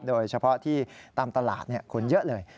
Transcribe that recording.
โดยเฉพาะที่ตามตลาดคนเยอะเลย